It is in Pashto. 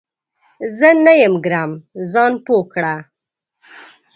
زه نه یم ګرم ، ځان پوه کړه !